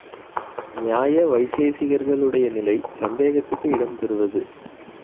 நியாய வைசேசிகர்களுடைய நிலை சந்தேகத்துக்கு இடம் தருவது.